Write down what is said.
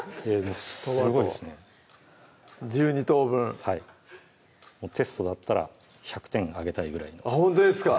すごいですね１２等分テストだったら１００点あげたいぐらいのほんとですか？